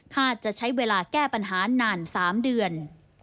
จะใช้เวลาแก้ปัญหานาน๓เดือน